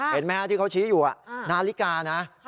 เห็นไหมฮะที่เขาชี้อยู่นาฬิกานะ